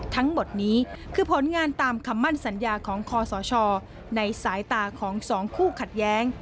ทั้งหมดนี้คือผลงานตามคำมั่นสัญญาของคอสชในสายตาของสองคู่ขัดแย้ง